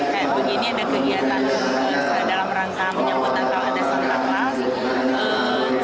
kayak begini ada kegiatan dalam rangka penyambutan kalau ada sinterklas